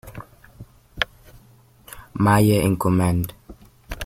Meyer in command.